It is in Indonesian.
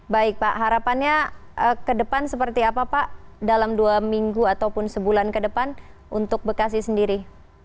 baik pak harapannya ke depan seperti apa pak dalam dua minggu ataupun sebulan ke depan untuk bekasi sendiri